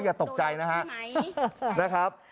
อย่าตกใจนะครับ